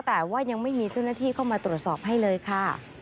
แต่ว่ายังไม่มีเจ้าหน้าที่เข้ามาตรวจสอบให้เลยค่ะ